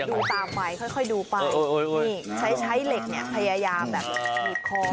ดูตามไว้ค่อยค่อยดูไปโอ้ยโอ้ยโอ้ยนี่ใช้ใช้เหล็กเนี่ยทยายามแบบหยีบคอมัน